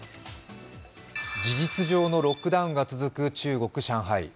事実上のロックダウンが続く中国・上海。